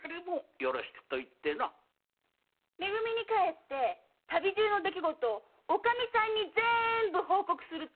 め組に帰って旅中の出来事を全部おかみさんに報告するってさ！